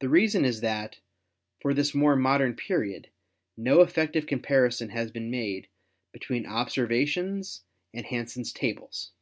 The reason is that, for this more modern period, no effective comparison has been made between observations and Han sen's tables."